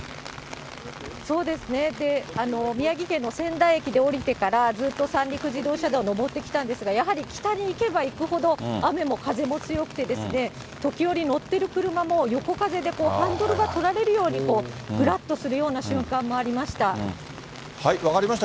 そうですね、宮城県の仙台駅で降りてから、ずっと三陸自動車道を上ってきたんですが、やはり北に行けば行くほど、雨も風も強くて、時折乗ってる車も横風でハンドルが取られるように、ぐらっとする分かりました。